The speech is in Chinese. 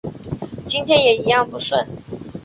今天也一样不顺